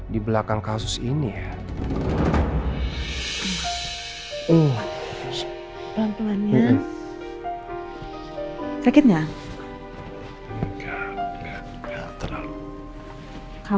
di belakang kasus ini ya